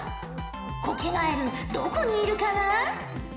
コケガエルどこにいるかな？